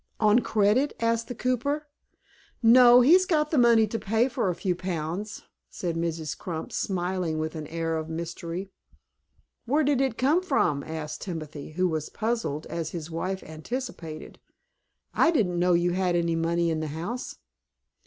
"On credit?" asked the cooper. "No, he's got the money to pay for a few pounds," said Mrs. Crump, smiling, with an air of mystery. "Where did it come from?" asked Timothy, who was puzzled, as his wife anticipated. "I didn't know you had any money in the house."